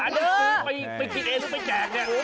ไปซื้อไปที่เอหรือไปแจก